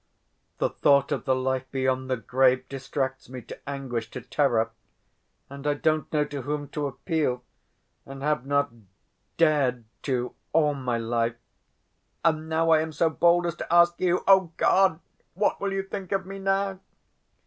The thought of the life beyond the grave distracts me to anguish, to terror. And I don't know to whom to appeal, and have not dared to all my life. And now I am so bold as to ask you. Oh, God! What will you think of me now?"